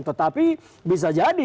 tetapi bisa jadi